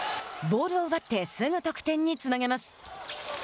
ボールを奪ってすぐ得点につなげます。